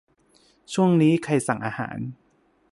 ช่วงนี้ใครสั่งอาหาร